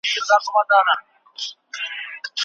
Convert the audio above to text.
څه وخت خصوصي سکتور بوره هیواد ته راوړي؟